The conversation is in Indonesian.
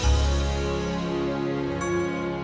kau mau ngapain